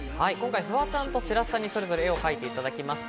フワちゃんと白洲さんにそれぞれ絵を描いていただきました。